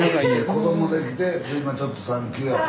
子どもできて今ちょっと産休やと。